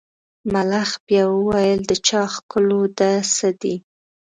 ملخ بیا وویل د چا ښکالو ده څه دي.